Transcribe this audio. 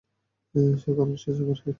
কারণ সে super fit.